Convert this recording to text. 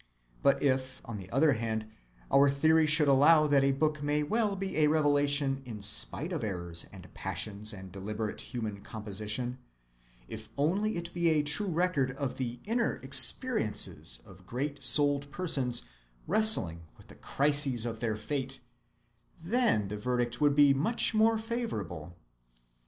But if, on the other hand, our theory should allow that a book may well be a revelation in spite of errors and passions and deliberate human composition, if only it be a true record of the inner experiences of great‐souled persons wrestling with the crises of their fate, then the verdict would be much more favorable.